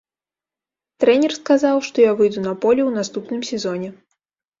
Трэнер сказаў, што я выйду на поле ў наступным сезоне.